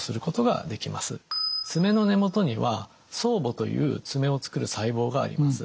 爪の根元には爪母という爪を作る細胞があります。